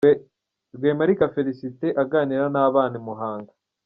Rwemarika Felicite aganira n'abana i Muhanga .